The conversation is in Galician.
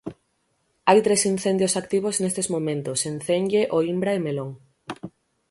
Hai tres incendios activos nestes momentos, en Cenlle, Oímbra e Melón.